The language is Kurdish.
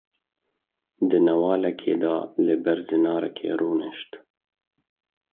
Di newalekê de li ber zinarekî rûnişt.